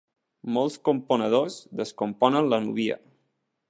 Molts componedors descomponen la núvia.